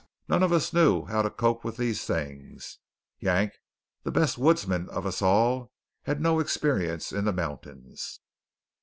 None of us knew how to cope with these things. Yank, the best woodsman of us all, had had no experience in mountains.